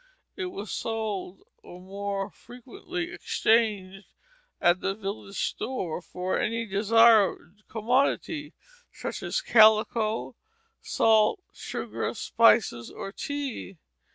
It was sold or more frequently exchanged at the village store for any desired commodity, such as calico, salt, sugar, spices, or tea.